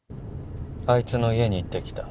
あいつの家に行ってきた。